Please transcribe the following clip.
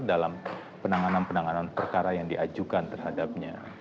dalam penanganan penanganan perkara yang diajukan terhadapnya